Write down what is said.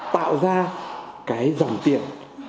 tạo ra cái dòng tiền